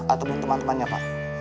atau teman temannya pak